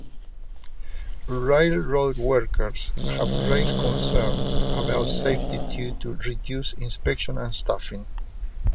Railroad workers have raised concerns about safety due to reduced inspections and staffing.